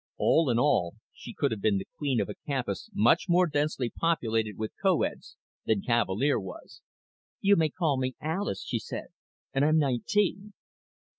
All in all she could have been the queen of a campus much more densely populated with co eds than Cavalier was. "You may call me Alis," she said. "And I'm nineteen."